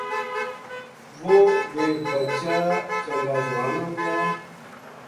وہ ویہ بچا چنگا جوان ہو گیا